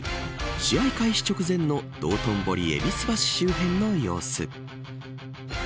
試合開始直前の道頓堀、戎橋周辺の様子。